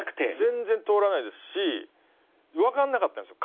全然通らないですしわからなかったんですよ